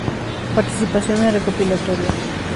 Participación en recopilatorios